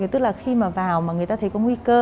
tức là khi mà vào mà người ta thấy có nguy cơ